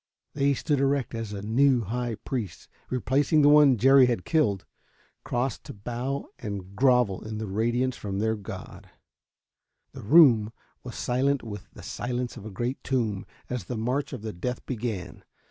They stood erect as a new high priest, replacing the one Jerry had killed, crossed to bow and grovel in the radiance from their god. The room was silent with the silence of a great tomb as the march of death began.